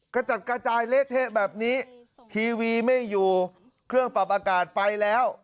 กระจัดกระจายเละเทะแบบนี้ทีวีไม่อยู่เครื่องปรับอากาศไปแล้ว